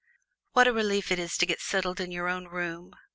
What a relief it is to get settled in your own room!